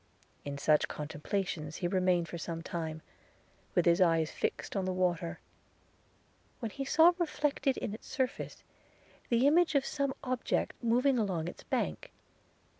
In such comtemplations he remained for some time, with his eyes fixed on the water, when he saw reflected in its surface the image of some object moving along its bank.